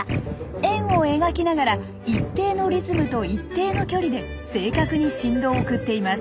円を描きながら一定のリズムと一定の距離で正確に振動を送っています。